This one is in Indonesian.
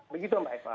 begitu mbak eva